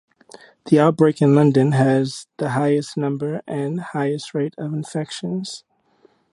The outbreak in London has the highest number and highest rate of infections.